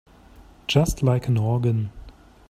Just like an organ.